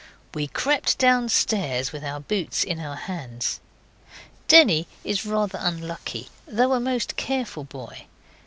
We crept downstairs with our boots in our hands. Denny is rather unlucky, though a most careful boy.